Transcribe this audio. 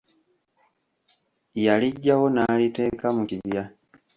Yaliggyawo n'aliteeka mu kibya.